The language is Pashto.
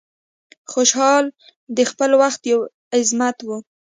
خوشحال د خپل وخت یو عظمت و.